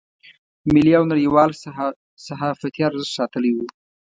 ملي او نړیوال صحافتي ارزښت ساتلی و.